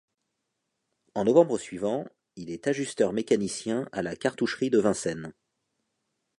En novembre suivant, il est ajusteur mécanicien à la cartoucherie de Vincennes.